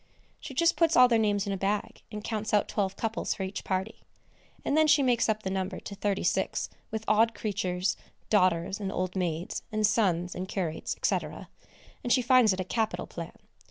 She just puts all their names in a bag, and counts out twelve couples for each party, and then she makes up the number to thirty six with odd creatures, daughters and old maids, and sons and curates, &c., and she finds it a capital plan.